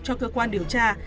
cho cơ quan điều tra